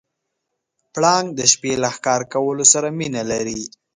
پړانګ د شپې له ښکار کولو سره مینه لري.